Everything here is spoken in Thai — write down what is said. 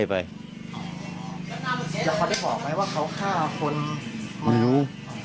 ไม่รู้